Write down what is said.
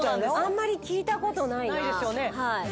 あんまり聞いたことないなないですよね